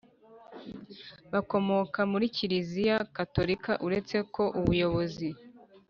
bakomoka muri kiliziya gatolika uretse ko ubuyobozi